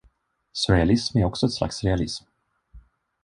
Surrealism är också ett slags realism.